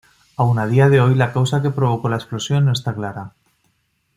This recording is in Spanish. Aún a día de hoy la causa que provocó la explosión no está clara.